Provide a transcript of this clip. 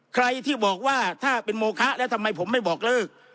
ใครที่บอกว่าถ้าเป็นโมคะแล้วทำไมผมไม่บอกเลิก